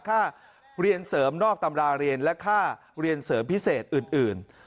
ค่าเรียนเสริมนอกตำราเรียนและค่าเรียนเสริมพิเศษอื่น